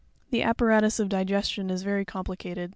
The apparatus of digestion is very complicated.